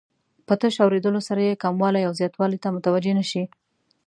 په تش اوریدلو سره یې کموالي او زیاتوالي ته متوجه نه شي.